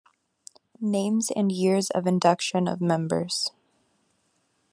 Names and years of induction of members.